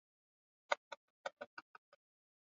Kampala inasafirisha kwenda jamhuri ya kidemokrasia ya Kongo